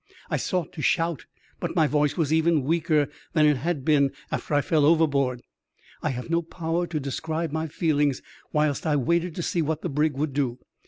I sought to shout, but my voice was even weaker than it had been after I fell overboard. I have no power to describe my feelings whilst I waited to see what the brig would do.